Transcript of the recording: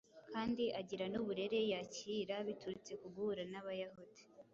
kandi agira n’uburere yakira biturutse ku guhura n’Abayahudi.